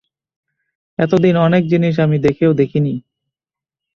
এতদিন অনেক জিনিস আমি দেখেও দেখি নি।